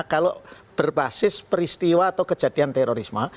kalau berbasis peristiwa atau kejadian terorisme